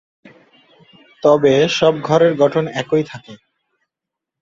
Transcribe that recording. তবে সব ঘরের গঠন একই থাকে।